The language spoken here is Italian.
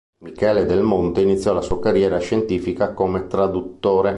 Michele Del Monte iniziò la sua carriera scientifica come traduttore.